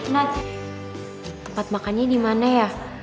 nat tempat makannya dimana ya